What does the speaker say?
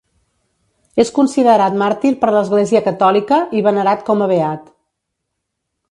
És considerat màrtir per l'Església Catòlica i venerat com a beat.